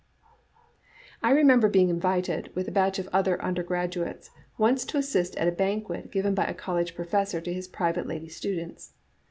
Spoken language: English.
"I remember being invited, with a batch of other under graduates, once to assist at a banquet given by a college professor to his private lady students.